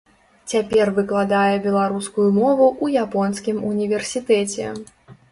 Цяпер выкладае беларускую мову ў японскім універсітэце.